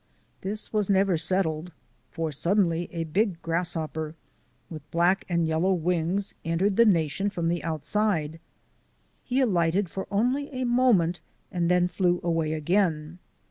This was never settled, for suddenly a big grasshopper with black and yellow wings entered the nation from the outside. He alighted for only a moment and then flew away again.